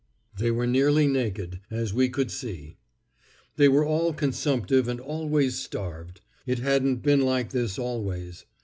They were nearly naked, as we could see. They were all consumptive and always starved. It hadn't been like this always.